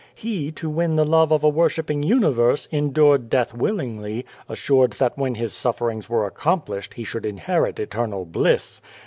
He, to win the love of a wor 53 God and the Ant shipping universe, endured death willingly, assured that when His sufferings were accom plished, He should inherit eternal bliss.